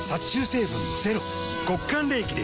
極寒冷気で瞬間